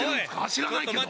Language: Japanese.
知らないけど。